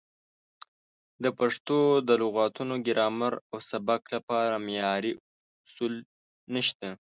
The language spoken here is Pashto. د پښتو د لغتونو، ګرامر او سبک لپاره معیاري اصول نشته.